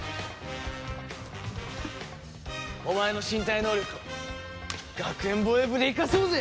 お前の身体能力を学園防衛部で生かそうぜ！